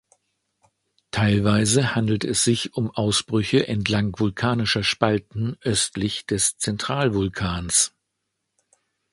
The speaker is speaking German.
Teilweise handelt es sich um Ausbrüche entlang vulkanischer Spalten östlich des Zentralvulkans.